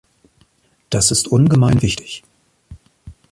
Das ist ungemein wichtig.